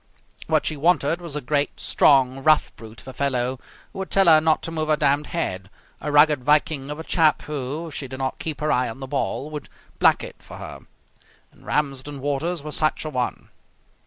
What she wanted was a great, strong, rough brute of a fellow who would tell her not to move her damned head; a rugged Viking of a chap who, if she did not keep her eye on the ball, would black it for her. And Ramsden Waters was such a one.